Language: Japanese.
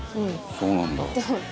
そうなんだ。